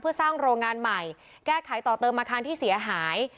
เพื่อสร้างโรงงานใหม่แก้ไขต่อเติมอาคารที่เสียหาย